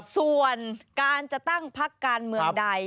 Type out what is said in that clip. ส่วนการจะตั้งพักการเมืองใด